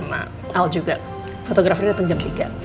al juga fotografi datang jam tiga